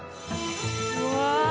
うわ。